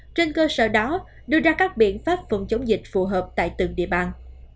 trên cơ sở đó đưa ra các biện pháp phòng chống dịch phù hợp tại từng địa bàn